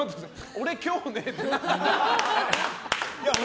俺、今日ねって何。